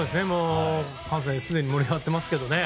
関西はすでに盛り上がってますけどね。